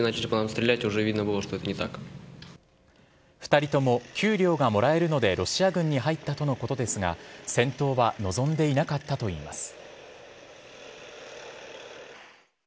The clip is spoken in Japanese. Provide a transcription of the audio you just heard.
２人とも給料がもらえるのでロシア軍に入ったとのことですが戦闘は望んでいなかったといいます。